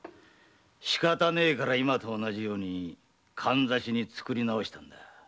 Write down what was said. しかたねぇから今と同じようにガンザシに作り直したんだ。